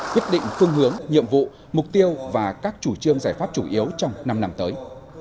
quyết định phương hướng nhiệm vụ mục tiêu và các chủ trương giải pháp chủ yếu trong năm năm tới